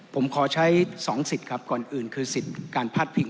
ผมขอใช้๒สิทธิ์ครับก่อนอื่นคือสิทธิ์การพาดพิง